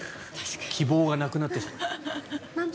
希望がなくなってしまう。